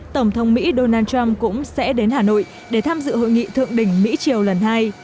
tổng thống mỹ donald trump cũng sẽ đến hà nội để tham dự hội nghị thượng đỉnh mỹ triều lần hai